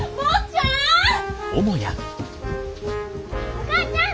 お母ちゃん！